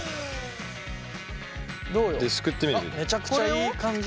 めちゃくちゃいい感じですね。